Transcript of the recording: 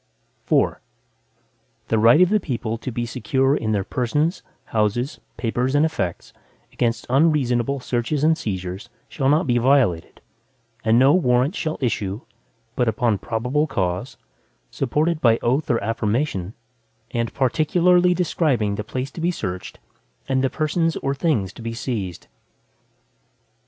IV The right of the people to be secure in their persons, houses, papers, and effects, against unreasonable searches and seizures, shall not be violated, and no Warrants shall issue, but upon probable cause, supported by oath or affirmation, and particularly describing the place to be searched, and the persons or things to be seized.